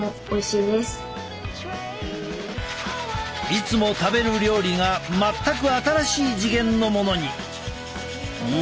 いつも食べる料理が全く新しい次元のものに！